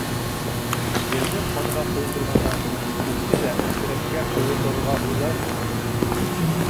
Ерҙе ҡанға ҡойондорғандан һуң, күкте лә хәшәрәткә ҡойондорорға уйлайһыңмы?